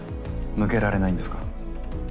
抜けられないんですか？